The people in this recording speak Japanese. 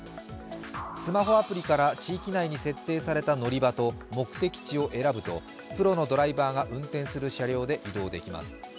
スマホアプリから地域内に設定された乗り場と目的地を選ぶとプロのドライバーが運転する車両で移動できます。